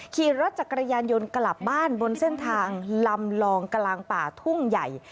ขี่รถจักรยานยนต์กลับบ้านบนเส้นทางลำลองกลางป่าทุ่งใหญ่